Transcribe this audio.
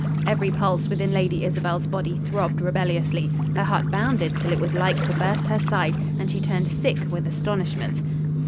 Every pulse within Lady Isabel's body throbbed rebelliously: her heart bounded till it was like to burst her side, and she turned sick with astonishment.